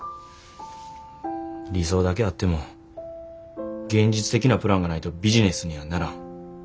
理想だけあっても現実的なプランがないとビジネスにはならん。